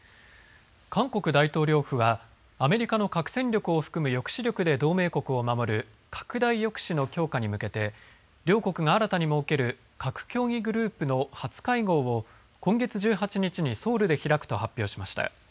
韓国大統領府はアメリカの核戦力を含む抑止力で同盟国を守る拡大抑止の強化に向けて両国が新たに設ける核協議グループの初会合を今月１８日にソウルで開くと発表しました。